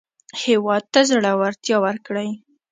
هېواد ته زړورتیا ورکړئ